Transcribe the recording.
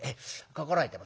「心得てます」。